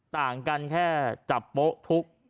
ต่างกันแค่จับโป๊ะทุกข์